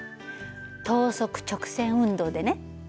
等速直線運動でね。